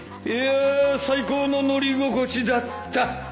いや最高の乗り心地だった